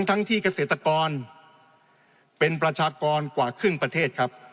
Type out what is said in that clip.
ทั้งที่เกษตรกรเป็นประชากรกว่าครึ่งประเทศครับ